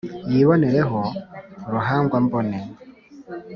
yibonere ho ruhangwa-mbone